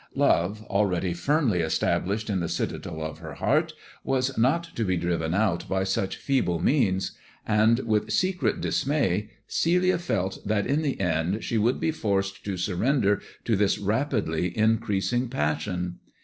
Love, already firmly established in the citadel of her heart, was not to be driven out by such feeble means ; and with secret dismay Celia felt that in the end she would be forced to surrender to this rapidly increasing passion.